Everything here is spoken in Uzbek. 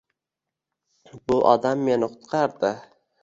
Bu odam meni qutqardi.